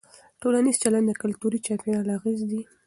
ټولنیز چلند د کلتوري چاپېریال اغېز دی.